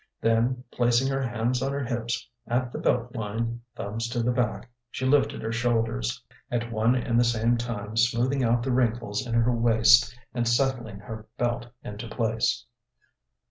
Then placing her hands on her hips, at the belt line, thumbs to the back, she lifted her shoulders, at one and the same time smoothing out the wrinkles in her waist and settling her belt into place.